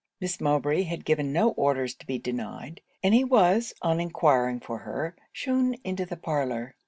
Miss Mowbray had given no orders to be denied; and he was, on enquiring for her, shewn into the parlour.